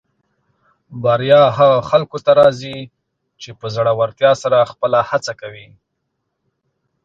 بریا هغه خلکو ته راځي چې په زړۀ ورتیا سره خپله هڅه کوي.